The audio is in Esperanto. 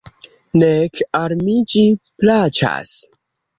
Nek al mi ĝi plaĉas.